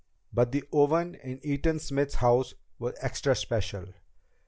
But the oven in Eaton Smith's house was extra special.